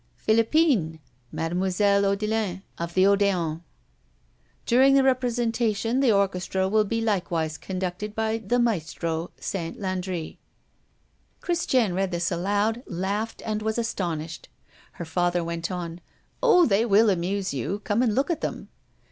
Philippine Mademoiselle Odelin, of the Odéon. During the representation, the Orchestra will be likewise conducted by the Maestro, Saint Landri. Christiane read this aloud, laughed, and was astonished. Her father went on: "Oh! they will amuse you. Come and look at them."